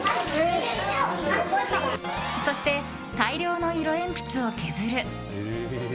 そして、大量の色鉛筆を削る。